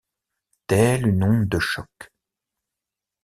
Telle une onde de choc.